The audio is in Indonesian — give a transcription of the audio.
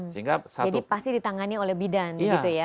pasti ditangani oleh bidan gitu ya